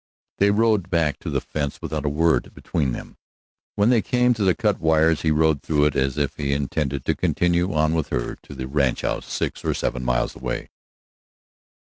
They rode back to the fence without a word between them. When they came to the cut wires he rode through as if he intended to continue on with her to the ranchhouse, six or seven miles away.